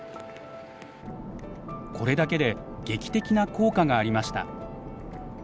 これだけで劇的な効果がありました。